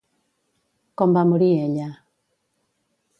Com va morir ella?